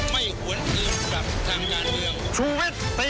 ไม่หวนเอียงกับทางงานเดียว